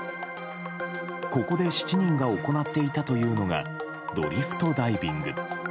ここで７人が行っていたというのがドリフトダイビング。